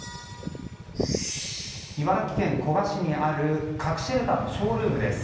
茨城県古河市にある核シェルターのショールームです。